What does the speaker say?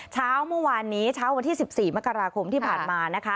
ช้าวเมื่อวานนี้วันที่๑๔มกราคมที่ผ่านมา